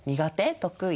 得意？